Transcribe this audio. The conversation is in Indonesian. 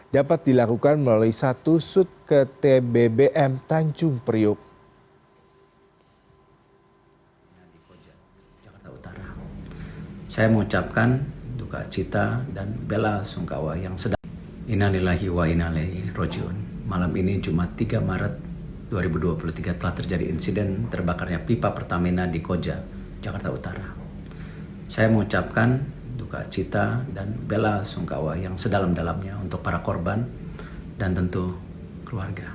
dapat dilakukan melalui satu sut ke tbbm tanjung priuk